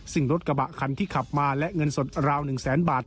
ซึ่งรถกระบะคันที่ขับมาและเงินสดราว๑แสนบาท